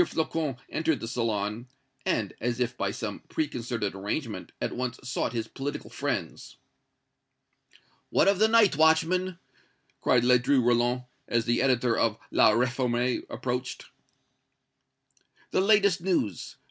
Flocon entered the salon, and, as if by some preconcerted arrangement, at once sought his political friends. "What of the night, watchman?" cried Ledru Rollin, as the editor of "La Réforme" approached. "The latest news!